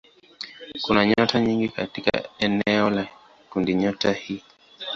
Kuna nyota nyingi katika eneo la kundinyota hii.